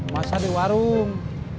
masa di warung